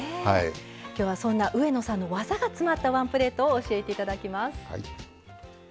今日は、そんな上野さんの技が詰まったワンプレートを教えていただきます。